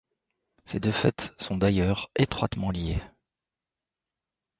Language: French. Ces deux fêtes sont d'ailleurs étroitement liées.